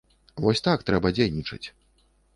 Вось так трэба дзейнічаць.